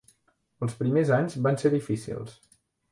Els primers anys van ser difícils.